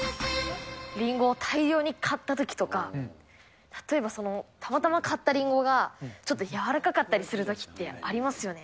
りんごを大量に買ったときとか、例えば、たまたま買ったりんごが、ちょっと柔らかかったりするときってありますよね。